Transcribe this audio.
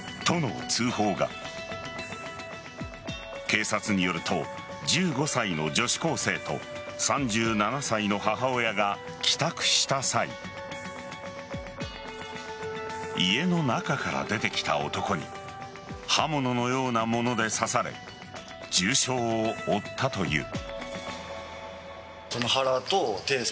警察によると１５歳の女子高生と３７歳の母親が帰宅した際家の中から出てきた男に刃物のようなもので刺され重傷を負ったという。